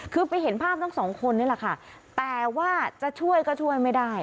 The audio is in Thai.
คือไปเห็นภาพสองคนนี้แต่ว่าที่จะช่วยก็ช่วยไม่ได้